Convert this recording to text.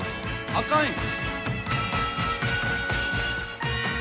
あかんよ。